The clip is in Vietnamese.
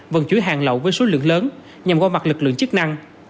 vận chuyển hàng lậu với số lượng lớn nhằm qua mặt lực lượng chức năng